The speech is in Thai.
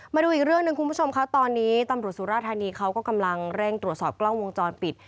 มาดูอีกเรื่องหนึ่งคุณผู้ชมค่ะตอนนี้ตำรวจสุราธานีเขาก็กำลังเร่งตรวจสอบกล้องวงจรปิด